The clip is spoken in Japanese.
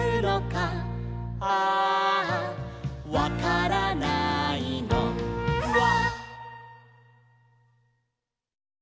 「アアわからないのフワ」